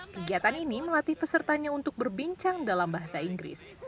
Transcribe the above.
kegiatan ini melatih pesertanya untuk berbincang dalam bahasa inggris